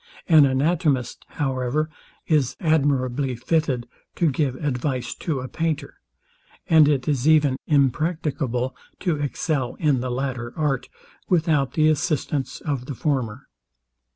An anatomist, however, is admirably fitted to give advice to a painter; and it is even impracticable to excel in the latter art, without the assistance of the former.